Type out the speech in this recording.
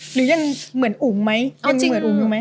หรือยังเหมือนอุ๋งไหม